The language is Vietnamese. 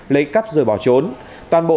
lấy cắt rồi bỏ trốn toàn bộ